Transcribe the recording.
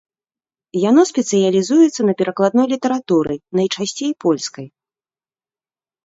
Яно спецыялізуецца на перакладной літаратуры, найчасцей польскай.